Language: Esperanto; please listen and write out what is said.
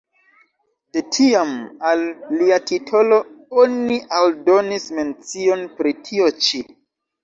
De tiam al lia titolo oni aldonis mencion pri tio ĉi.